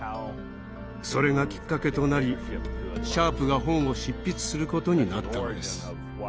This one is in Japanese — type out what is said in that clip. それがきっかけとなりシャープが本を執筆することになったのです。